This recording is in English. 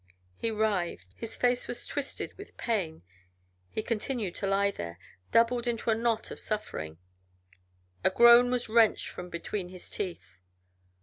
He writhed, his face was twisted with pain. He continued to lie there, doubled into a knot of suffering. A groan was wrenched from between his teeth.